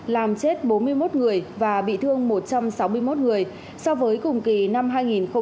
làm chết bốn mươi một người và bị thương một trăm sáu mươi một người so với cùng kỳ năm hai nghìn một mươi tám